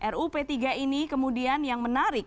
ru p tiga ini kemudian yang menarik